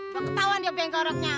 ketauan dia bengkoreknya